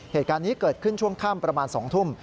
เหตุการณ์นี้เกิดขึ้นช่วงค่ำประมาณ๒ทุ่ม